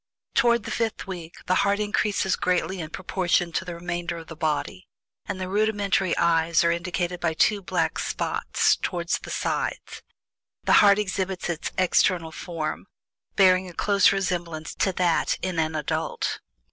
Toward the fifth week the heart increases greatly in proportion to the remainder of the body, and the rudimentary eyes are indicated by two black spots toward the sides, and the heart exhibits its external form, bearing a close resemblance to that in an adult.